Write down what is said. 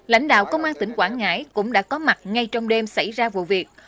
lãnh đạo công an tỉnh quảng ngãi cũng đã có mặt ngay trong đêm xảy ra vụ việc